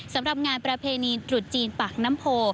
สำหรับงานประเพณีตรุษจีนปากน้ำโพ